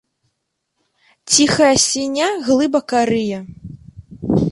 Цiхая сьвiньня глыбака рые